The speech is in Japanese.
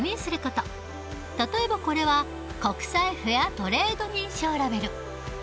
例えばこれは国際フェアトレード認証ラベル。